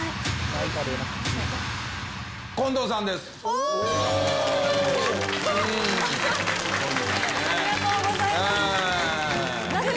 やっとありがとうございます